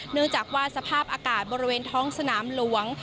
เนื่องจากว่าสภาพอากาศบริเวณท้องสนามหลวง